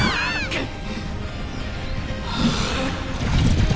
くっ！